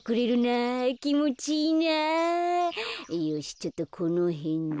よしちょっとこのへんで。